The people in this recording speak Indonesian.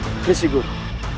terima kasih guru